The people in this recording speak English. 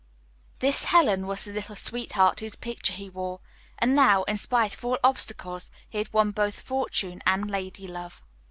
This Helen was the little sweetheart whose picture he wore, and now, in spite of all obstacles, he had won both fortune and ladylove.